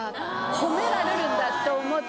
褒められるんだ」と思って。